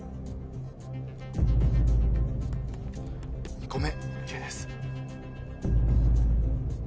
２分前ＯＫです。